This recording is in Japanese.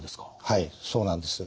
はいそうなんです。